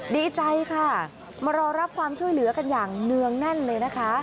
ดีใจค่ะมารอรับความช่วยเหลือกันอย่างเนืองแน่นเลยนะคะ